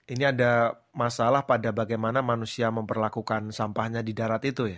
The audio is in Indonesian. ini ada masalah pada bagaimana manusia memperlakukan sampahnya di darat itu ya